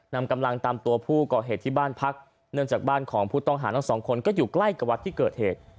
นำกำลังตามตัวผู้ก่อเหตุที่บ้านพักเนื่องจากบ้านของผู้ต้องหาทั้งสองคนก็อยู่ใกล้กับวัดที่เกิดเหตุ